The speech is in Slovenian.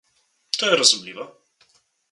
To je razumljivo.